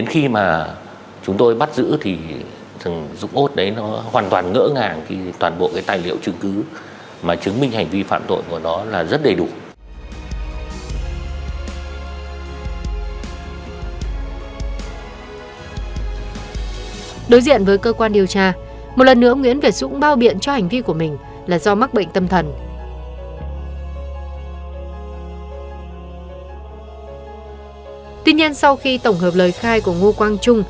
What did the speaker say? khi chúng tôi xác định các đối tượng chính đã nằm trong lòng bàn tay thì đã tiến hành côi vắt